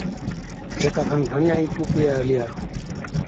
جڪا کن گھڻِيا ئِي ڪُوڪڙِيا هِلِيا۔